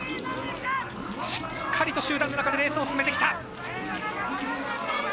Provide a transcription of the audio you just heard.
しっかりと集団の中でレースを進めてきた。